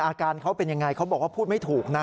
อาการเขาเป็นยังไงเขาบอกว่าพูดไม่ถูกนะ